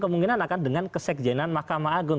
kemungkinan akan dengan kesekjenan mahkamah agung